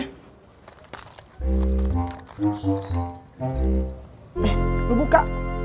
eh lu buka